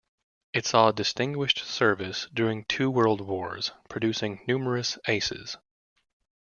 It saw distinguished service during two world wars, producing numerous "aces".